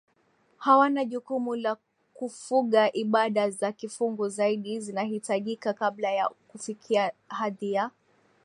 hawana jukumu la kufugaIbada za kifungu zaidi zinahitajika kabla ya kufikia hadhi ya